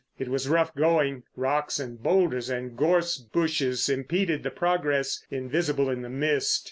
It was rough going. Rocks and boulders and gorse bushes impeded the progress, invisible in the mist.